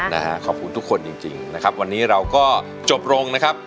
นะฮะขอบคุณทุกคนจริงจริงนะครับวันนี้เราก็จบลงนะครับ